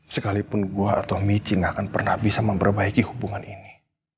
sekalipun gua atau michi gak akan pernah bisa memperbaiki hubungan ini